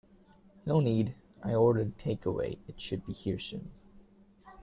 No need, I ordered take away, it should be here soon.